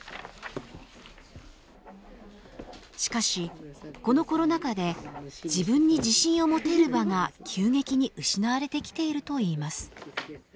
しかしこのコロナ禍で自分に自信を持てる場が急激に失われてきているといいます。